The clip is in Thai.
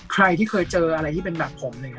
ใครที่เคยเจออะไรที่เป็นแบบผมเนี่ย